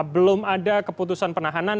belum ada keputusan penahanan